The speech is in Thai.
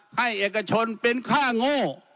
ให้เอกชนเป็นค่าโง่